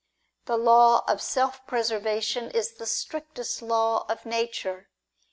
The law of self preservation is the strictest law of nature.